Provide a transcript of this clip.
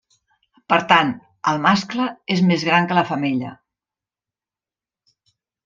Per tant el mascle és més gran que la femella.